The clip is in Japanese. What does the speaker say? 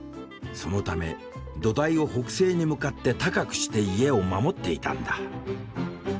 そのため土台を北西に向かって高くして家を守っていたんだ。